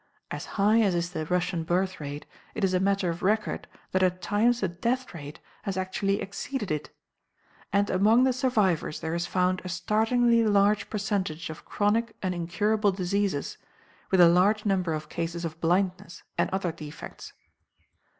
As high as is the Russian birth rate, it is a matter of record that at times the death rate has actually exceeded it. And among the survivors there is found a startlingly large percentage of chronic and incurable diseases, with a large number of cases of blindness and other defects.